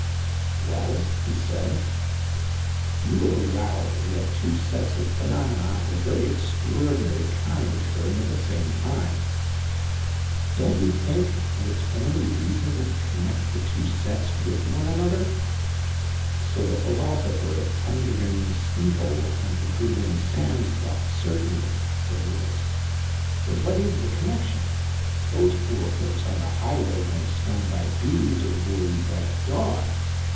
"Well," he said, "you will allow that we have two sets of phenomena of a very extraordinary kind occurring at the same time. Don't you think that it's only reasonable to connect the two sets with one another." "So the philosopher of Tenterden steeple and the Goodwin Sands thought, certainly," said Lewis. "But what is the connection? Those poor folks on the Highway weren't stung by bees or worried by a dog.